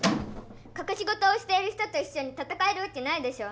かくしごとをしている人といっしょに戦えるわけないでしょ。